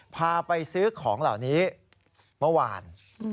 พาไปซื้อของเหล่านี้เมื่อวาน